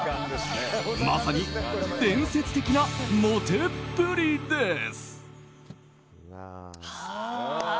まさに伝説的なモテっぷりです。